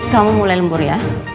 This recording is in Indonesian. kamu mulai lembur ya